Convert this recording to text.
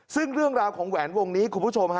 ซึ่งเรื่องราวของแหวนวงนี้คุณผู้ชมฮะ